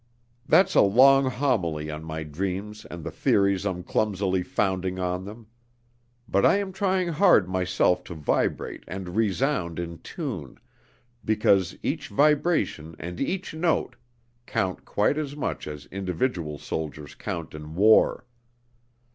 "That's a long homily on my dreams and the theories I'm clumsily founding on them. But I am trying hard myself to vibrate and resound in tune, because each vibration and each note count quite as much as individual soldiers count in war.